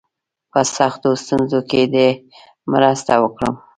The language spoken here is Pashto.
په سختو ستونزو کې دي مرسته وکړم.